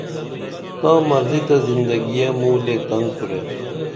تاں مرضی تہ زندگیہ موں لے تنگ کُرے